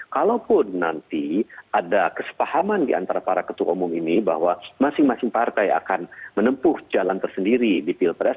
kalaupun nanti ada kesepahaman diantara para ketua umum ini bahwa masing masing partai akan menempuh jalan tersendiri di pilpres